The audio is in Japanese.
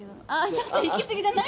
ちょっと行きすぎじゃない？